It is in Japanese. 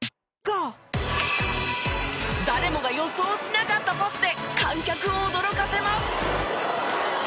誰もが予想しなかったパスで観客を驚かせます。